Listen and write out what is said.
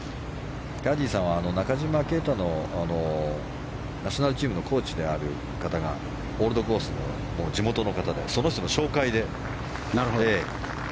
キャディーさんは中島啓太のナショナルチームのコーチである方がオールドコースの地元の方で、その人の紹介で。